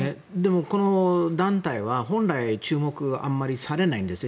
この団体は本来注目されないんですね。